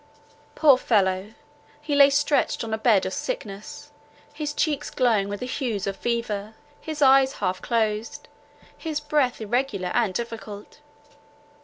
Poor fellow! he lay stretched on a bed of sickness, his cheeks glowing with the hues of fever, his eyes half closed, his breath irregular and difficult.